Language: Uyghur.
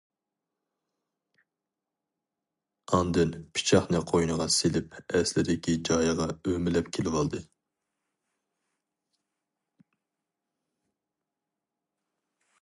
ئاندىن پىچاقنى قوينىغا سېلىپ ئەسلىدىكى جايىغا ئۆمىلەپ كېلىۋالدى.